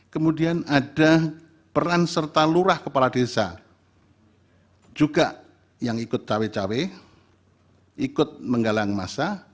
kemudian ada peran serta lurah kepala desa juga yang ikut cawe cawe ikut menggalang masa